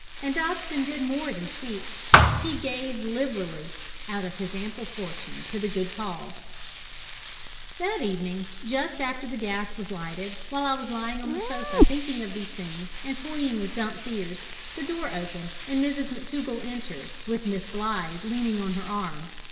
And Dobson did more than speak: he gave liberally out of his ample fortune to the good cause. That evening, just after the gas was lighted, while I was lying on the sofa thinking of these things, and toying with Dumps's ears, the door opened and Mrs McTougall entered, with Miss Blythe leaning on her arm.